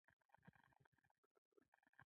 د اوبو سم استعمال د حاصل خوندیتوب لپاره ضروري دی.